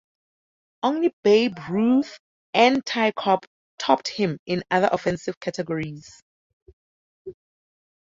Only Babe Ruth and Ty Cobb topped him in other offensive categories.